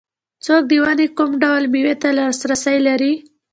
څوک د ونې کوم ډول مېوې ته لاسرسی لري